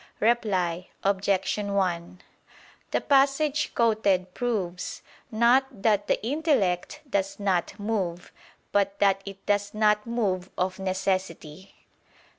Reply Obj. 1: The passage quoted proves, not that the intellect does not move, but that it does not move of necessity.